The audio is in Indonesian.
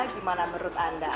gimana menurut anda